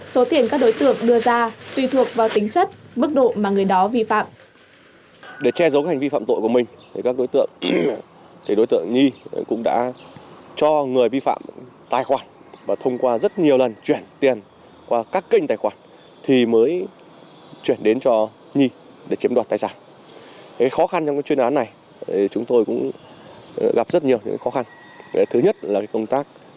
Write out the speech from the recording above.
số tiền các đối tượng đưa ra tùy thuộc vào tính chất mức độ mà người đó vi phạm